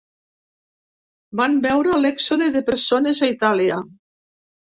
Vam veure l’èxode de persones a Itàlia.